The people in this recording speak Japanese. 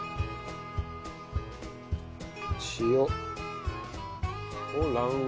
塩。と卵黄。